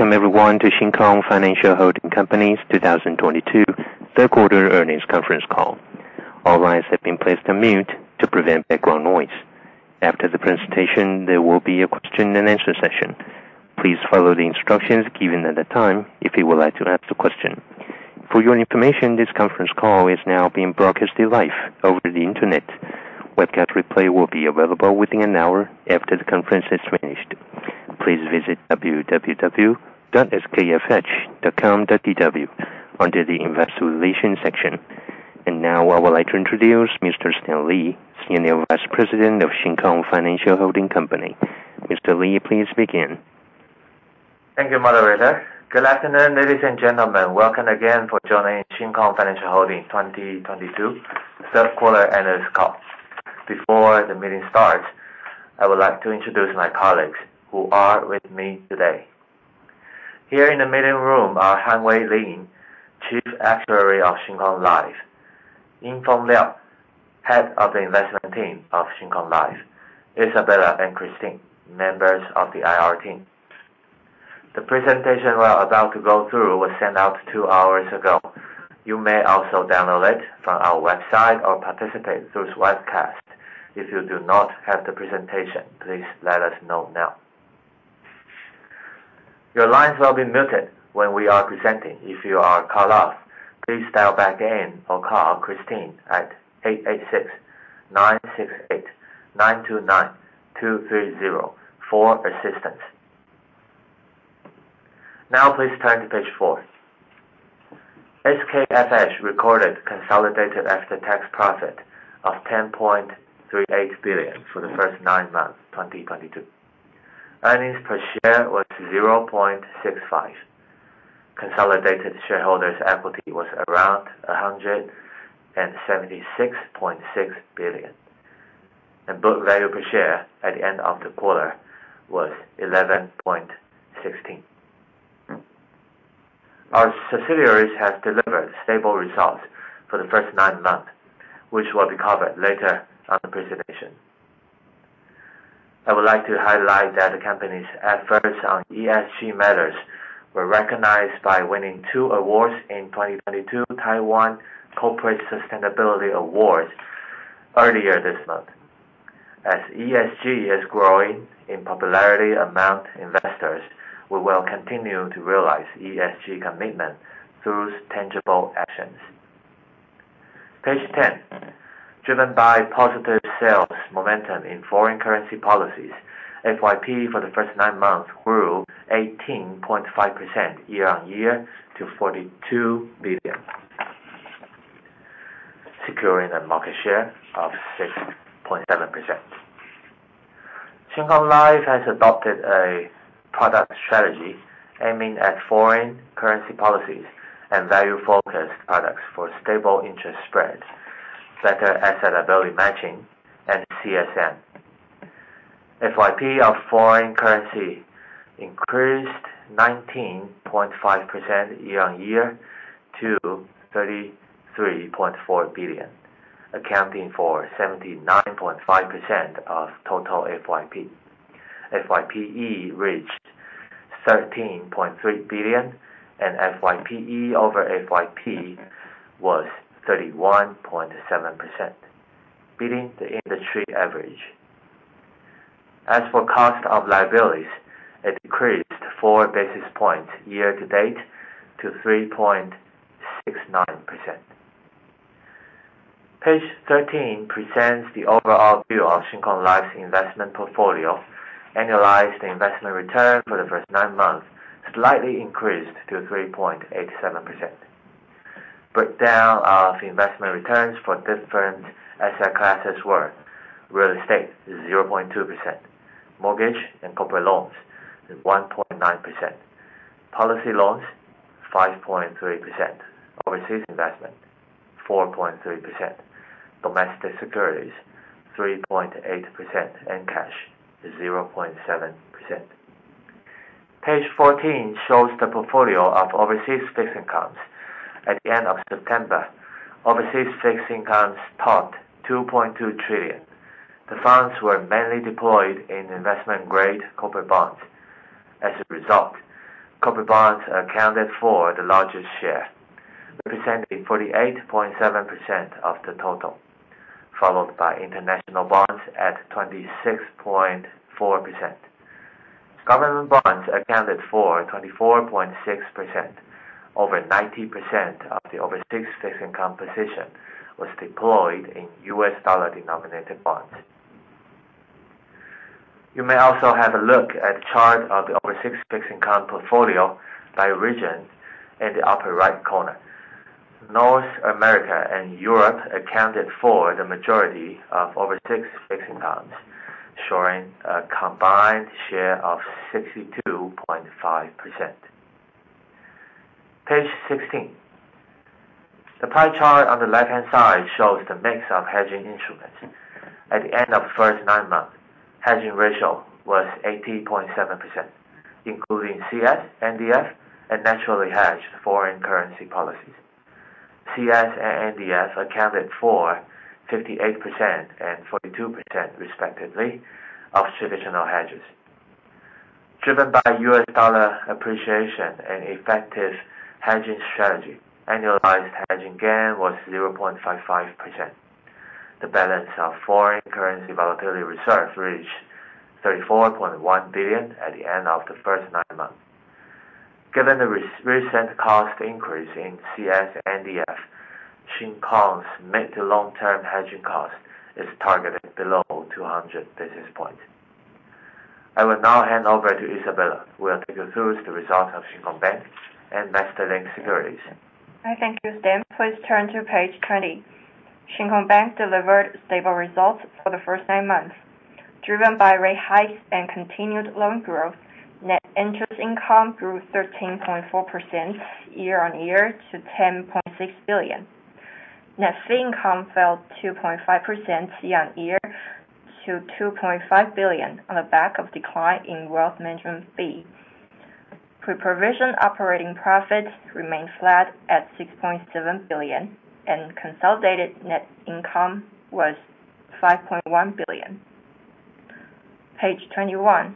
Welcome everyone to Shin Kong Financial Holding Company's 2022 Third Quarter Earnings Conference Call. All lines have been placed on mute to prevent background noise. After the presentation, there will be a question-and-answer session. Please follow the instructions given at the time if you would like to ask a question. For your information, this conference call is now being broadcasted live over the Internet. Webcast replay will be available within an hour after the conference has finished. Please visit www.skfh.com.tw under the Investor Relations section. Now I would like to introduce Mr. Stan Lee, Senior Vice President of Shin Kong Financial Holding Company. Mr. Lee, please begin. Thank you, Moderator. Good afternoon, ladies and gentlemen. Welcome again for joining Shin Kong Financial Holding 2022 Third Quarter Earnings Call. Before the meeting starts, I would like to introduce my colleagues who are with me today. Here in the meeting room are Han-Wei Lin, Chief Actuary of Shin Kong Life; En-Fon Liao, Head of the Investment Team of Shin Kong Life; Isabella and Christine, members of the IR team. The presentation we're about to go through was sent out two hours ago. You may also download it from our website or participate through webcast. If you do not have the presentation, please let us know now. Your lines will be muted when we are presenting. If you are cut off, please dial back in or call Christine at 886-968-929230 for assistance. Please turn to page four. SKFH recorded consolidated after-tax profit of 10.38 billion for the first nine months, 2022. Earnings per share was 0.65. Consolidated shareholders' equity was around 176.6 billion. Book value per share at the end of the quarter was 11.16. Our subsidiaries have delivered stable results for the first nine months, which will be covered later on the presentation. I would like to highlight that the company's efforts on ESG matters were recognized by winning two awards in 2022 Taiwan Corporate Sustainability Awards earlier this month. ESG is growing in popularity among investors, we will continue to realize ESG commitment through tangible actions. Page 10. Driven by positive sales momentum in foreign currency policies, FYP for the first nine months grew 18.5% year-on-year to TWD 42 billion, securing a market share of 6.7%. Shin Kong Life has adopted a product strategy aiming at foreign currency policies and value-focused products for stable interest spreads, better asset liability matching, and CSM. FYP of foreign currency increased 19.5% year-on-year to TWD 33.4 billion, accounting for 79.5% of total FYP. FYPE reached 13.3 billion and FYPE over FYP was 31.7%, beating the industry average. As for cost of liabilities, it decreased 4 basis points year-to-date to 3.69%. Page 13 presents the overall view of Shin Kong Life's investment portfolio. Annualized investment return for the first nine months slightly increased to 3.87%. Breakdown of investment returns for different asset classes were real estate, 0.2%; mortgage and corporate loans, 1.9%; policy loans, 5.3%; overseas investment, 4.3%; domestic securities, 3.8%; and cash, 0.7%. Page 14 shows the portfolio of overseas fixed incomes. At the end of September, overseas fixed incomes topped 2.2 trillion. The funds were mainly deployed in investment-grade corporate bonds. As a result, corporate bonds accounted for the largest share, representing 48.7% of the total, followed by international bonds at 26.4%. Government bonds accounted for 24.6%. Over 90% of the overseas fixed income position was deployed in U.S. dollar-denominated bonds. You may also have a look at chart of the overseas fixed income portfolio by region in the upper right corner. North America and Europe accounted for the majority of overseas fixed incomes, showing a combined share of 62.5%. Page 16. The pie chart on the left-hand side shows the mix of hedging instruments. At the end of the first nine months, hedging ratio was 80.7%, including CS, NDF, and naturally hedged foreign currency policies. CS and NDF accounted for 58% and 42% respectively of traditional hedges. Driven by U.S. dollar appreciation and effective hedging strategy, annualized hedging gain was 0.55%. The balance of foreign currency volatility reserve reached $34.1 billion at the end of the first nine months. Given the recent cost increase in CS NDF, Shin Kong's mid to long term hedging cost is targeted below 200 basis point. I will now hand over to Isabella, who will take you through the results of Shin Kong Bank and MasterLink Securities Corporation. I thank you, Stan. Please turn to page 20. Shin Kong Bank delivered stable results for the first nine months. Driven by rate hikes and continued loan growth, net interest income grew 13.4% year-on-year to 10.6 billion. Net fee income fell 2.5% year-on-year to 2.5 billion on the back of decline in wealth management fee. Pre-provision operating profit remained flat at 6.7 billion, and consolidated net income was 5.1 billion. Page 21.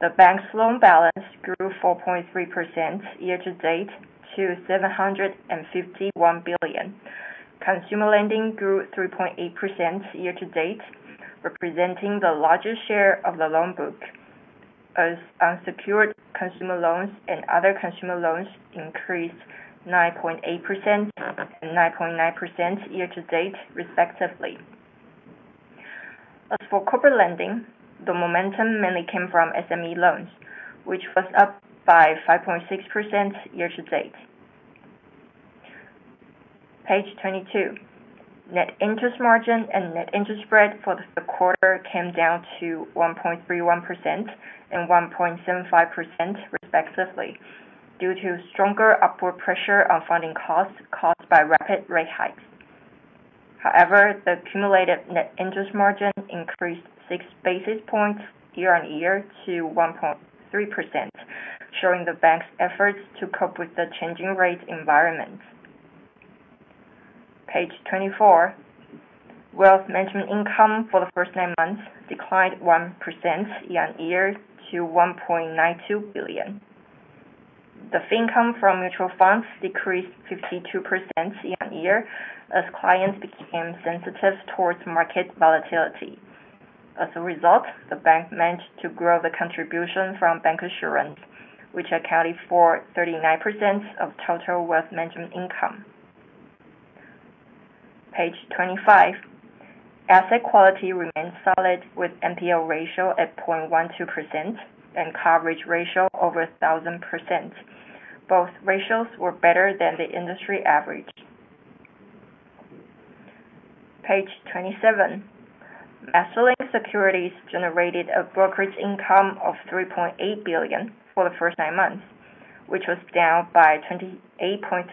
The bank's loan balance grew 4.3% year-to-date to 751 billion. Consumer lending grew 3.8% year-to-date, representing the largest share of the loan book. As unsecured consumer loans and other consumer loans increased 9.8% and 9.9% year-to-date, respectively. As for corporate lending, the momentum mainly came from SME loans, which was up by 5.6% year to date. Page 22. Net interest margin and net interest spread for the quarter came down to 1.31% and 1.75% respectively due to stronger upward pressure on funding costs caused by rapid rate hikes. However, the cumulative net interest margin increased 6 basis points year-on-year to 1.3%, showing the bank's efforts to cope with the changing rate environment. Page 24. Wealth management income for the first nine months declined 1% year-on-year to 1.92 billion. The fee income from mutual funds decreased 52% year-on-year as clients became sensitive towards market volatility. As a result, the bank managed to grow the contribution from bank insurance, which accounted for 39% of total wealth management income. Page 25. Asset quality remained solid with NPL ratio at 0.12% and coverage ratio over 1,000%. Both ratios were better than the industry average. Page 27. MasterLink Securities Corporation generated a brokerage income of 3.8 billion for the first nine months, which was down by 28.3%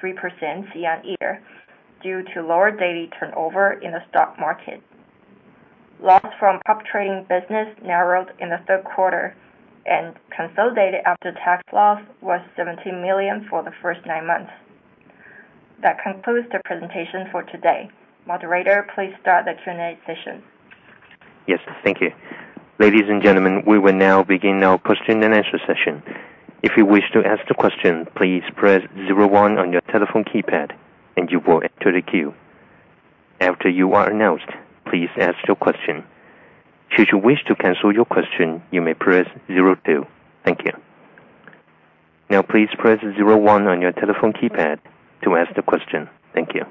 year-on-year due to lower daily turnover in the stock market. Loss from prop trading business narrowed in the third quarter. Consolidated after-tax loss was 17 million for the first 9 months. That concludes the presentation for today. Moderator, please start the Q&A session. Yes, thank you. Ladies and gentlemen, we will now begin our question-and-answer session. If you wish to ask the question, please press zero one on your telephone keypad and you will enter the queue. After you are announced, please ask your question. Should you wish to cancel your question, you may press zero two. Thank you. Now, please press zero one on your telephone keypad to ask the question. Thank you.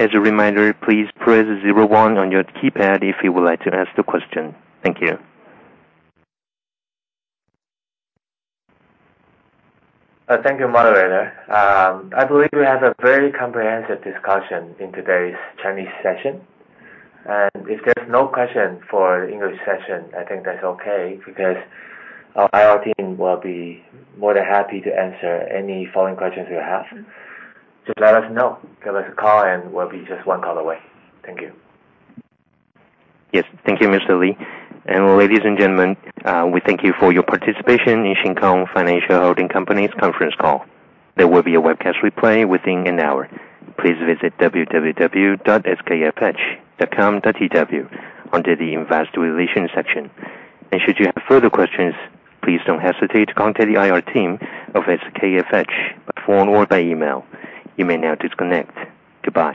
As a reminder, please press zero one on your keypad if you would like to ask the question. Thank you. Thank you, Moderator. I believe we had a very comprehensive discussion in today's Chinese session. If there's no question for English session, I think that's okay, because our IR team will be more than happy to answer any following questions you have. Just let us know. Give us a call and we'll be just one call away. Thank you. Yes. Thank you, Mr. Lee. Ladies, and gentlemen, we thank you for your participation in Shin Kong Financial Holding Company's conference call. There will be a webcast replay within an hour. Please visit www.skfh.com.tw under the investor relations section. Should you have further questions, please don't hesitate to contact the IR team of SKFH by phone or by email. You may now disconnect. Goodbye.